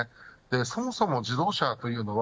そもそも自動車というのは